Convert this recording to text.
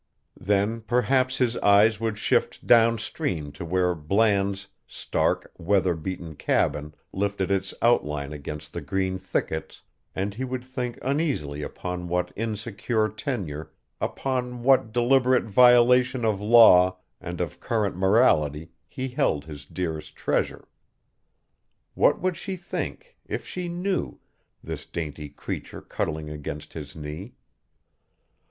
Then perhaps his eyes would shift downstream to where Bland's stark, weather beaten cabin lifted its outline against the green thickets, and he would think uneasily upon what insecure tenure, upon what deliberate violation of law and of current morality he held his dearest treasure. What would she think, if she knew, this dainty creature cuddling against his knee?